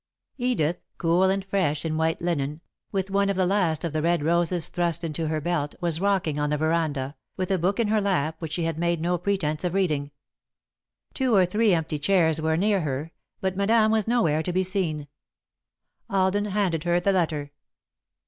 Edith, cool and fresh in white linen, with one of the last of the red roses thrust into her belt, was rocking on the veranda, with a book in her lap which she had made no pretence of reading. Two or three empty chairs were near her, but Madame was nowhere to be seen. Alden handed her the letter.